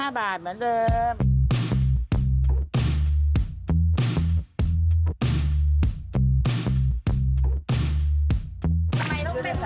แหมลุกลูกเป็นนอนฝ่าล่ะนะครับแม่